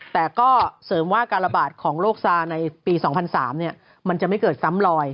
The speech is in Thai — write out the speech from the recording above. แต่ก็เสริมว่าการระบาดของโรคซาในปี๒๐๐๓มันจะไม่เกิดซ้ำลอย